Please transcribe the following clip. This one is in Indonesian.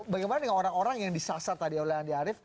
bagaimana dengan orang orang yang disasar tadi oleh andi arief